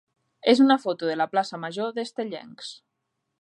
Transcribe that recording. és una foto de la plaça major d'Estellencs.